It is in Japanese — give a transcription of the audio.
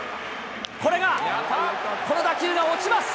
これが、この打球が落ちます。